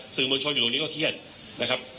สื่อมวลชนอยู่ตรงนี้ก็เครียดนะครับ